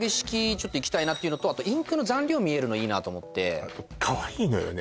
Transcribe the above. ちょっといきたいなっていうのとあとインクの残量見えるのいいなと思ってカワイイのよね